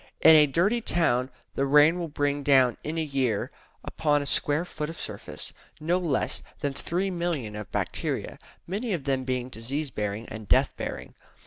In a dirty town the rain will bring down in a year, upon a square foot of surface, no less than 3,000,000 of bacteria, many of them being disease bearing and death bearing.